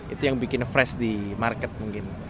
itu yang bikin fresh di market mungkin